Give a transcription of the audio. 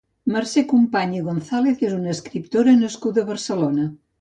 Mercè Company i González és una escriptora nascuda a Barcelona.